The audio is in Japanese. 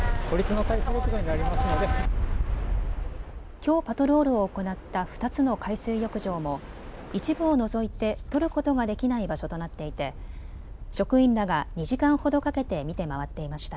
きょうパトロールを行った２つの海水浴場も一部を除いて取ることができない場所となっていて職員らが２時間ほどかけて見て回っていました。